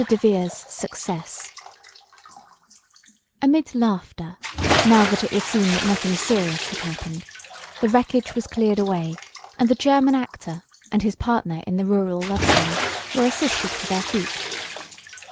DEVERE'S SUCCESS Amid laughter, now that it was seen that nothing serious had happened, the wreckage was cleared away, and the German actor, and his partner in the rural love scene, were assisted to their feet.